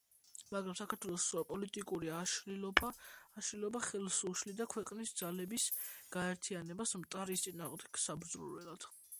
მაგრამ საქართველოს პოლიტიკური აშლილობა ხელს უშლიდა ქვეყნის ძალების გაერთიანებას მტრის წინააღმდეგ საბრძოლველად.